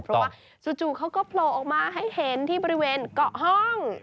เพราะว่าจู่เขาก็โผล่ออกมาให้เห็นที่บริเวณเกาะห้อง